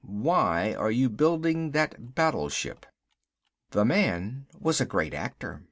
Why are you building that battleship?" The man was a great actor.